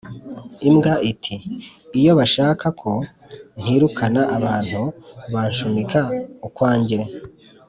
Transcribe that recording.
imbwa iti ” iyo bashaka ko ntirukana abantu, banshumika ukwanjye,